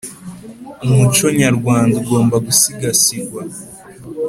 Umuco nyarwanda ugomba gusigasirwa